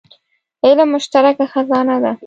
علم مشترکه خزانه ده.